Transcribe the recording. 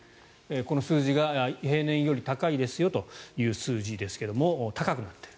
この数字が平年より高いですよという数字ですが高くなっている。